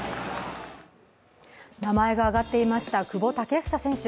名前が挙がっていました久保建英選手